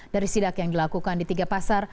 dari sidak yang dilakukan di tiga pasar